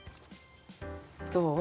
どう？